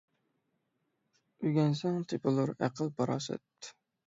ئۆگەنسەڭ تېپىلۇر ئەقىل - پاراسەت .